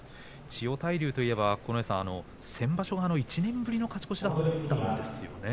千代大龍といえば先場所１年ぶりの勝ち越しだったんですね。